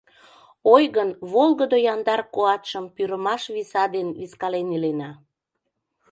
Ойгын волгыдо, яндар куатшым Пӱрымаш виса ден вискален Илена.